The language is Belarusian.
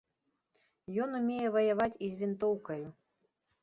Ён умее ваяваць і з вінтоўкаю.